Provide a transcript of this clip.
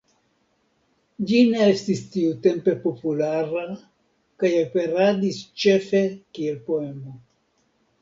Ĝi ne estis tiutempe populara kaj aperadis ĉefe kiel poemo.